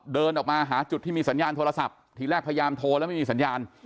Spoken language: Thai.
เดินออกมาหาจุดที่มีสัญญาณโทรศัพท์ทีแรกพยายามโทรแล้วไม่มีสัญญาณ